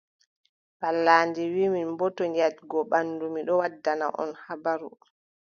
Pallandi wii, min boo, to nyaaɗgo ɓanndu, mi ɗon waddana on habaru.